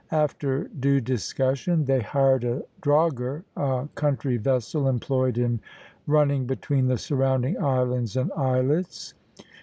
After due discussion they hired a drogher, a country vessel employed in running between the surrounding islands and islets.